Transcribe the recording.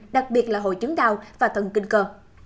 đặc biệt là hội chứng đau và thần kinh cơ